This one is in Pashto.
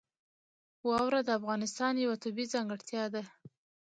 واوره د افغانستان یوه طبیعي ځانګړتیا ده.